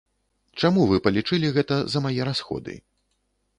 Чаму вы палічылі гэта за мае расходы?